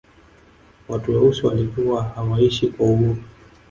watu weusi walikuwa hawaishi kwa uhuru